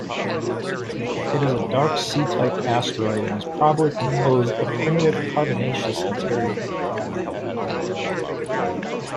It is a dark C-type asteroid and is probably composed of primitive carbonaceous material.